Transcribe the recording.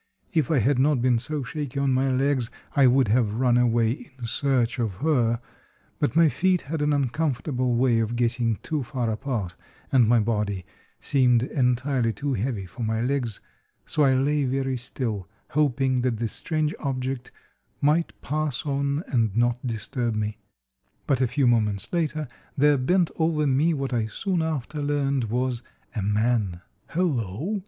If I had not been so shaky on my legs I would have run away in search of her, but my feet had an uncomfortable way of getting too far apart, and my body seemed entirely too heavy for my legs; so I lay very still, hoping that this strange object might pass on and not disturb me. But a few moments later there bent over me what I soon after learned was a man. "Hello!"